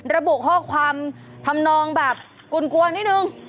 ระบุข้อความทำนองแบบกลวนนิดนึง